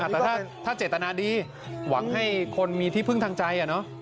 แต่ถ้าเจตนาดีหวังให้คนมีที่พึ่งทางใจ